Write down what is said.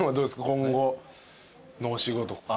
今後のお仕事。